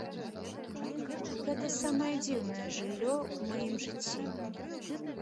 Гэта самае дзіўнае жыллё ў маім жыцці.